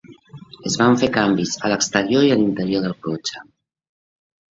Es van fer canvis a l'exterior i l'interior del cotxe.